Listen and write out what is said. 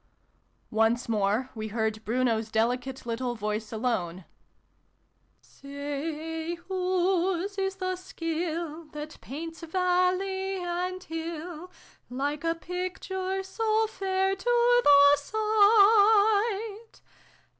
Once more we heard Bruno's delicate little voice alone :" Say whose is the skill that paints valley and hill, Like a picture so fair to the sight